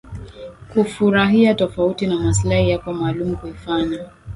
kufurahia tofauti na maslahi yako maalum kuifanya